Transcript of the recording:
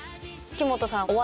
木本さん